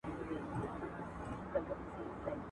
ما ددې غرونو په لمنو کي شپېلۍ ږغول.